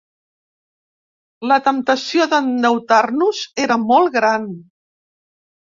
La temptació d’endeutar-nos era molt gran.